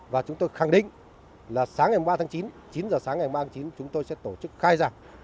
và chúng tôi khẳng định là sáng ngày ba tháng chín chín h sáng ngày ba tháng chín chúng tôi sẽ tổ chức khai giảng